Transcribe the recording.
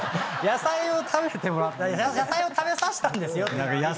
野菜を食べてもら野菜を食べさせたんですよって。